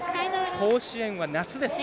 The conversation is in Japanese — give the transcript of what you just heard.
甲子園は夏です。